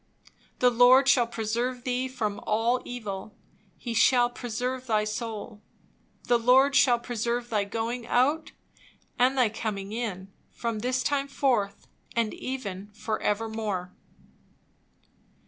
The Lord shall preserve thee from all evil, he shall preserve thy soul. The Lord shall preserve thy going out and thy coming in, from this time forth, and even for evermore."